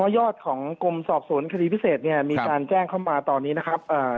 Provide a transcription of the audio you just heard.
ยอดของกรมสอบสวนคดีพิเศษเนี่ยมีการแจ้งเข้ามาตอนนี้นะครับ